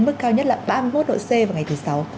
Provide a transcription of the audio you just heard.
mức cao nhất là ba mươi một độ c vào ngày thứ sáu